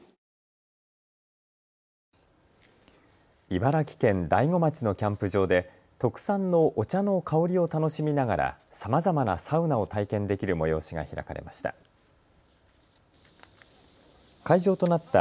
茨城県大子町のキャンプ場で特産のお茶の香りを楽しみながらさまざまなサウナを体験できる催しが開かれました。